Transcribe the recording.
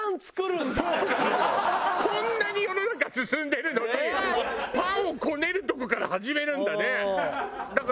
こんなに世の中進んでるのにパンをこねるとこから始めるんだね。